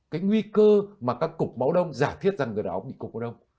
cái nguy cơ mà các cục máu đông giả thiết rằng người đó bị cục có đông